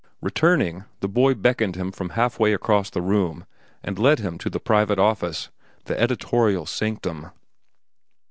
Returning, the boy beckoned him from halfway across the room and led him to the private office, the editorial sanctum.